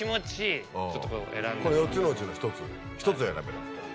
この４つのうちの１つ１つ選べだって。